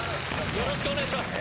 よろしくお願いします！